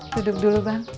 duduk dulu bang